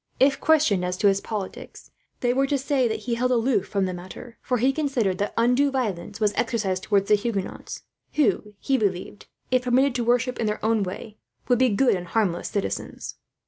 If questioned as to his politics, they were to say that he held aloof from the matter, for he considered that undue violence was exercised towards the Huguenots; who, he believed, if permitted to worship in their own way, would be good and harmless citizens.